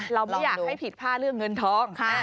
เราไม่อยากให้ผิดผ้าร่วมเงินท้อง